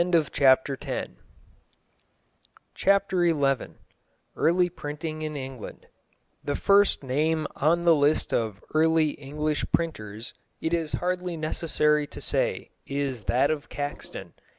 CHAPTER XI EARLY PRINTING IN ENGLAND The first name on the list of early English printers, it is hardly necessary to say, is that of Caxton.